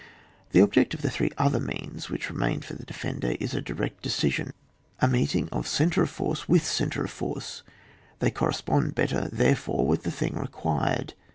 The object of the three other means which remain for the defender, is a direct decision — a meeting of centre of force with centre of force; they correspond better, therefore, with the thing required.